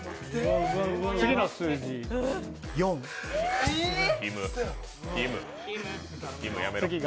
次の数字は？